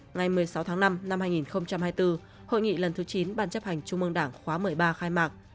ngày một mươi sáu tháng năm năm hai nghìn hai mươi bốn hội nghị lần thứ chín ban chấp hành trung mương đảng khóa một mươi ba khai mạc